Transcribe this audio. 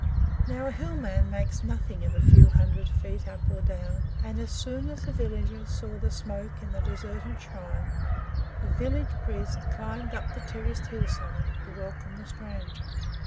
Now, a Hill man makes nothing of a few hundred feet up or down, and as soon as the villagers saw the smoke in the deserted shrine, the village priest climbed up the terraced hillside to welcome the stranger.